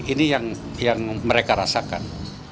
ini yang mereka rasakan